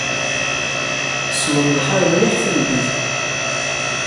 Semmeḍ lḥal mliḥ tameddit-a.